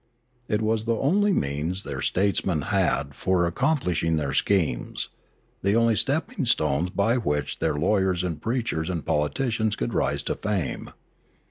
It was the only means their statesmen had had for accomplishing their schemes, the only step ping stones by which their lawyers and preachers and politicians could rise to fame.